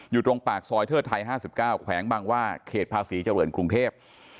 อยู่ตรงปากซอยเทอดทัยห้าสิบเก้าแขวงบั่งว่าเขตภาษีเจ้าเริ่มกรุงเทพ